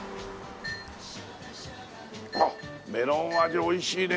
あっメロン味おいしいね。